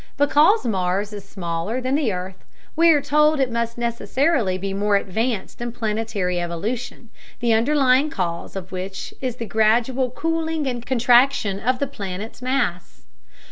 Because Mars is smaller than the earth, we are told it must necessarily be more advanced in planetary evolution, the underlying cause of which is the gradual cooling and contraction of the planet's mass.